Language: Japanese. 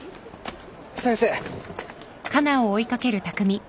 先生！